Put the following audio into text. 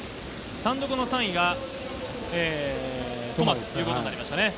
単独の３位がトマということになりましたね。